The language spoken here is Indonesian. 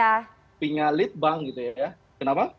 punya lead bank gitu ya kenapa